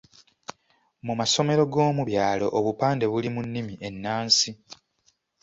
Mu masomero g’omu byalo obupande buli mu nnimi ennansi.